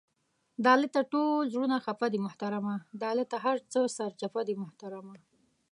دالته ټول زړونه خفه دې محترمه، دالته هر څه سرچپه دي محترمه!